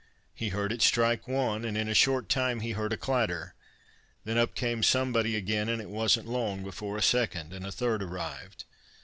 He heard it strike one, and in a short time he heard a clatter; then up came somebody again, and it wasn't long before a second and third arrived.